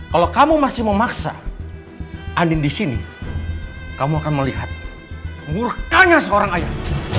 kalau kamu masih memaksa andin di sini kamu akan melihat murkanya seorang ayah